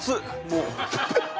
もう。